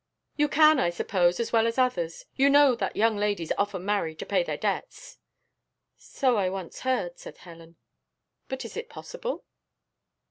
"You can, I suppose, as well as others. You know that young ladies often marry to pay their debts?" "So I once heard," said Helen, "but is it possible?"